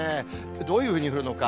どういうふうに降るのか。